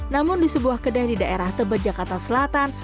namun di sebuah kedai di daerah tebet jakarta selatan